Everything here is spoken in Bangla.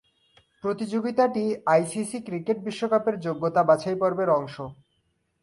প্রতিযোগিতাটি আইসিসি ক্রিকেট বিশ্বকাপের যোগ্যতা বাছাইপর্বের অংশ।